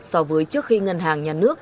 so với trước khi ngân hàng nhà nước